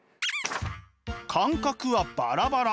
感覚はバラバラ。